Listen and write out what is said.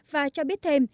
và cho biết thế